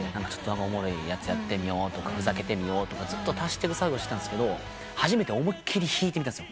おもろいやつやってみようとかふざけてみようとかずっと足してる作業してたんですけど初めて思いっ切り引いてみたんですよ。